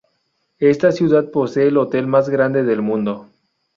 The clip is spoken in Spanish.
Esta ciudad posee el hotel más grande del mundo.